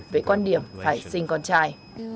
về quan điểm phải sinh con trai